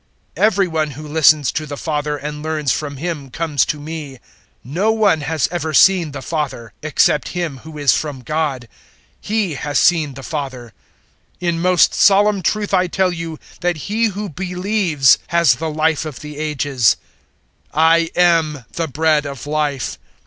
Every one who listens to the Father and learns from Him comes to me. 006:046 No one has ever seen the Father except Him who is from God. He has seen the Father. 006:047 "In most solemn truth I tell you that he who believes has the Life of the Ages. 006:048 I am the bread of Life.